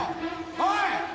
おい！